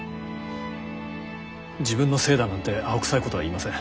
自分のせいだなんて青臭いことは言いません。